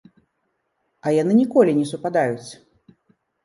А яны ніколі не супадаюць!